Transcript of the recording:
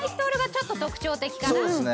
ちょっと特徴的かな。